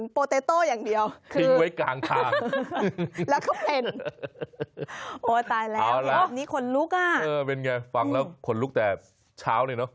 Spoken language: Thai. เป็นไงฟังแล้วขนลุกแต่เช้าเลยเนอะ